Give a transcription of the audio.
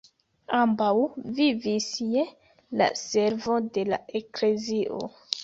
Ambaŭ vivis je la servo de la eklezio.